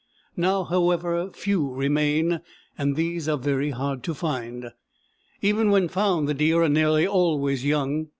Now, however, few remain, and these are very hard to find. Even when found, the deer are nearly always young.